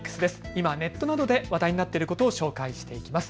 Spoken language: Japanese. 今ネットなどで話題になっていることを紹介していきます。